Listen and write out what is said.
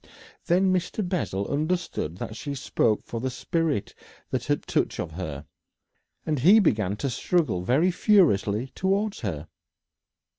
Then Mr. Bessel understood that she spoke for the spirit that had touch of her, and he began to struggle very furiously towards her.